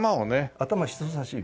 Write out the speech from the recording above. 頭人さし指。